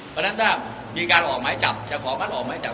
เพราะฉะนั้นถ้ากริมการออกไหม้จับถ้าขอบ้านออกไม้จับ